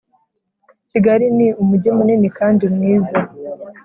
kigali ni umujyi munini kandi mwiza